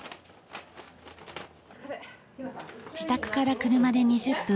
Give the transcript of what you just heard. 自宅から車で２０分。